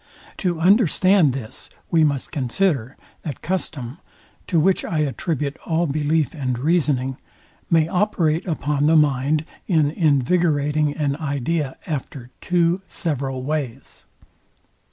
To understand this we must consider, that custom, to which I attribute all belief and reasoning, may operate upon the mind in invigorating an idea after two several ways.